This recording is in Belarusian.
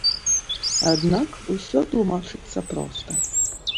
Аднак усё тлумачыцца проста.